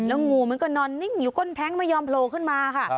งูมันก็นอนนิ่งอยู่ก้นแท้งไม่ยอมโผล่ขึ้นมาค่ะ